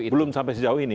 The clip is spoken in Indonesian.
belum sampai sejauh ini